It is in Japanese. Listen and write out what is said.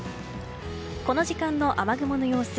この時間の雨雲の様子。